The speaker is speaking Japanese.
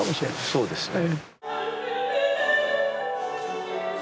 そうですね。